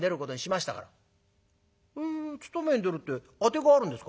「へえ勤めに出るって当てがあるんですか？」。